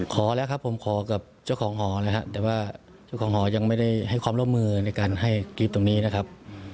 ขอแล้วครับผมขอกับเจ้าของหอนะครับแต่ว่าเจ้าของหอยังไม่ได้ให้ความร่วมมือในการให้กรี๊ดตรงนี้นะครับ